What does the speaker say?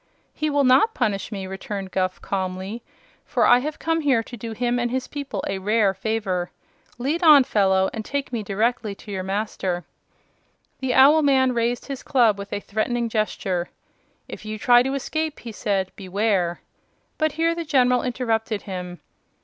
"He will not punish me," returned Guph, calmly, "for I have come here to do him and his people a rare favor. Lead on, fellow, and take me directly to your master." The owl man raised his club with a threatening gesture. "If you try to escape," he said, "beware " But here the General interrupted him.